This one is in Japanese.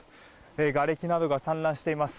がれきなどが散乱しています。